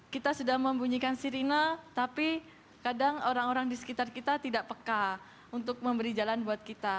kita sudah membunyikan sirine tapi kadang orang orang di sekitar kita tidak peka untuk memberi jalan buat kita